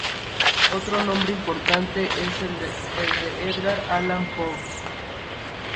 Otro nombre importante es el de Edgar Allan Poe.